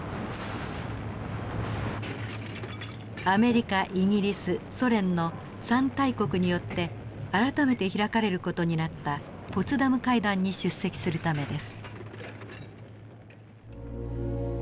アメリカイギリスソ連の３大国によって改めて開かれる事になったポツダム会談に出席するためです。